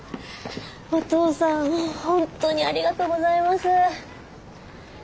お義父さん本当にありがとうございます。